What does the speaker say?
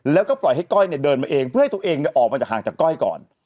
แล้วก็ปล่อยให้ก้อยเนี่ยเดินมาเองเพื่อให้ตัวเองออกมาจากห่างจากก้อยก่อน